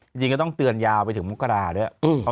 จริงก็ต้องเตือนยาวไปถึงมกราด้วย